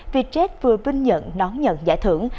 vietjet vừa vinh nhận nón nhận giải thưởng